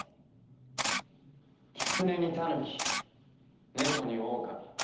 キツネにタヌキネコにオオカミ。